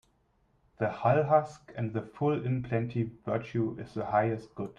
The hull husk and the full in plenty Virtue is the highest good.